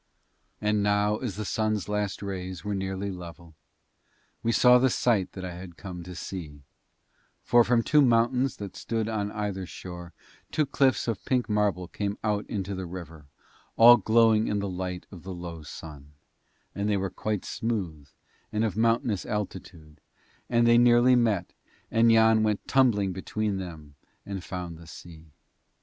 And now as the sun's last rays were nearly level, we saw the sight that I had come to see, for from two mountains that stood on either shore two cliffs of pink marble came out into the river, all glowing in the light of the low sun, and they were quite smooth and of mountainous altitude, and they nearly met, and Yann went tumbling between them and found the sea.